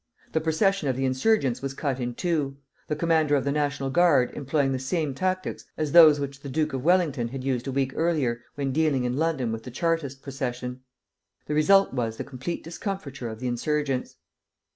The procession of the insurgents was cut in two, the commander of the National Guard employing the same tactics as those which the Duke of Wellington had used a week earlier, when dealing in London with the Chartist procession. The result was the complete discomfiture of the insurgents.